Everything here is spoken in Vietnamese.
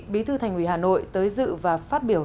bí thư thành ủy hà nội tới dự và phát biểu